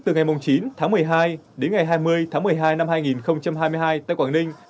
từ ngày chín tháng một mươi hai đến ngày hai mươi tháng một mươi hai